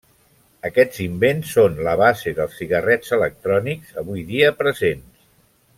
Aquests invents són la base dels cigarrets electrònics avui dia presents.